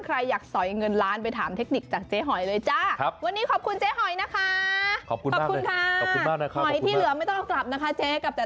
ใครอยากสอยเงินล้านไปถามเทคนิคจากเจ๊หอยเลยจ้าหอยนะคะ